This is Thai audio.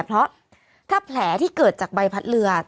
เพราะถ้าแผลที่เกิดจากใบพัดเรือ